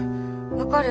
分かる？